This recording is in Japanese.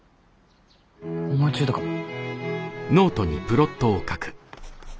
思いついたかも。